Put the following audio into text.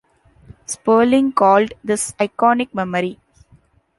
Sperling called this iconic memory.